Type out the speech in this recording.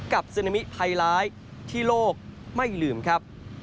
ซึนามิภัยร้ายที่โลกไม่ลืมครับ